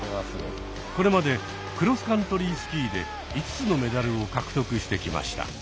これまでクロスカントリースキーで５つのメダルを獲得してきました。